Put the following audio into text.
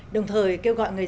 đồng thời kêu gọi